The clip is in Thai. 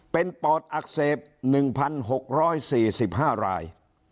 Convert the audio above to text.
เป็นปอดอักเสบ๑๖๔๕ราย